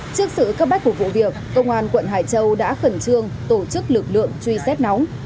trước sự cấp bách của vụ việc công an quận hải châu đã khẩn trương tổ chức lực lượng truy xét nóng